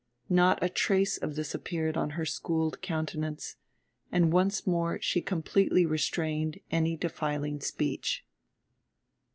Not a trace of this appeared on her schooled countenance; and once more she completely restrained any defiling speech.